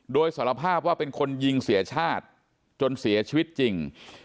โดยสารภาพว่าเป็นคนยิงเสียชาติจนเสียชีวิตจริง